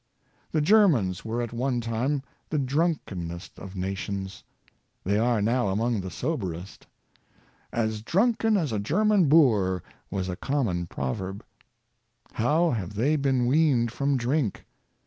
The Germans were at one time the drunkenest of nations. They are now among the soberest. " As drunken as a German boor," was a common proverb. How have they been weaned from drink?